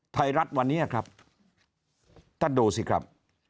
ไทยรัฐวันนี้ครับท่านดูสิครับ